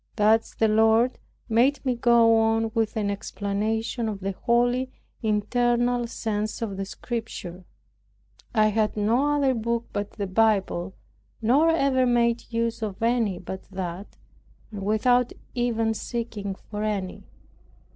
Thus the Lord made me go on with an explanation of the holy internal sense of the Scriptures. I had no other book but the Bible, nor ever made use of any but that, and without even seeking for any.